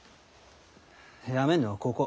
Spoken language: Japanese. やめるのはここ。